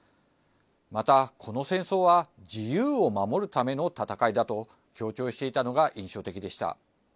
また、この戦争は自由を守るための戦いだと強調していたのが印象的でした。